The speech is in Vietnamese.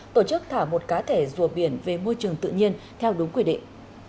tổ chức thả một cá thể rùa biển về môi trường tự nhiên theo đúng quy định